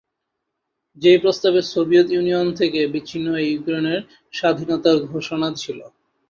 যেই প্রস্তাবে Soviet Union থেকে বিচ্ছিন্ন হয়ে ইউক্রেনের স্বাধীনতার ঘোষণা ছিল।